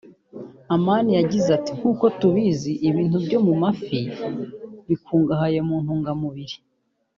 Amani yagize ati “ Nkuko tubizi ibintu byo mu mafi bikungahaye mu ntungamubiri